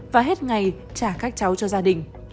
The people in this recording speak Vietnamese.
và hết ngày trả các cháu cho gia đình